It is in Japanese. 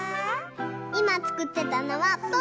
いまつくってたのはぽぅぽの！